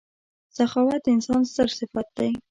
• سخاوت د انسان ستر صفت دی.